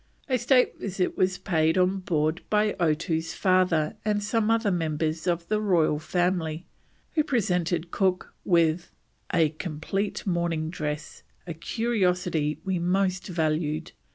A state visit was paid on board by Otoo's father and some other members of the royal family, who presented Cook with: "a complete mourning dress, a curiosity we most valued.